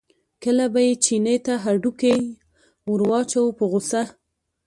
کله به یې چیني ته هډوکی ور واچاوه په غوسه.